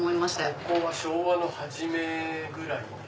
ここは昭和の初めぐらい。